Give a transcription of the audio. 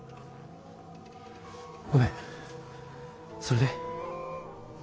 ごめんそれで？